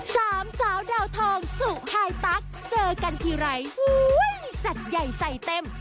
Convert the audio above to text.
สามสาวดาวทองสุไฮตั๊กเจอกันทีไรจัดใหญ่ใจเต็ม